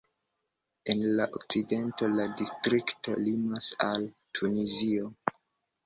En la okcidento la distrikto limas al Tunizio.